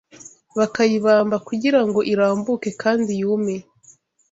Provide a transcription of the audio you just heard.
bakayibamba kugirango irambuke kandi yume.